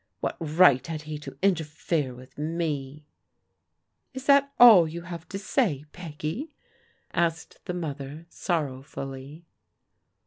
What right had he to interfere with me ?" "Is that all you have to say, Peggy?'* asked the mother sorrowfully.